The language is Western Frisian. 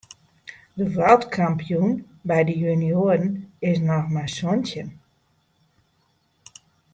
De wrâldkampioen by de junioaren is noch mar santjin.